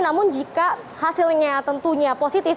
namun jika hasilnya tentunya positif